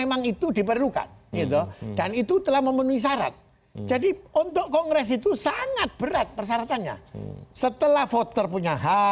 apakah kita harus menawarkan